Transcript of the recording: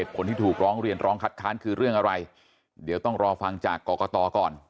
คนที่ถูกร้องเรียนร้องคัดค้านคือเรื่องอะไรเดี๋ยวต้องรอฟังจากกรกตก่อน